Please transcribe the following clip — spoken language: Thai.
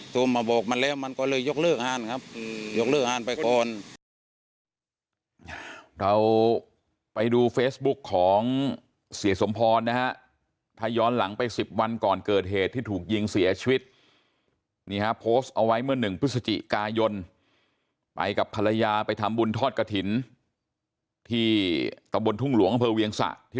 โทรมาบอกมันแล้วมันก็เลยยกเลิกอ่านครับยกเลิกอ่านไปก่อน